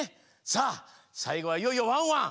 さあさいごはいよいよワンワン。